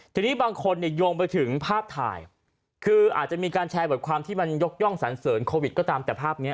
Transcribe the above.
ทีนี้บางคนเนี่ยโยงไปถึงภาพถ่ายคืออาจจะมีการแชร์บทความที่มันยกย่องสันเสริญโควิดก็ตามแต่ภาพนี้